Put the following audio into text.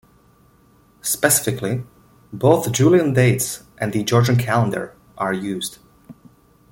Specifically, both Julian Dates and the Gregorian calendar are used.